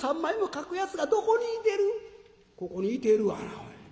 「ここにいてるがなおい。